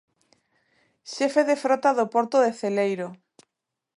Xefe de frota do porto de Celeiro.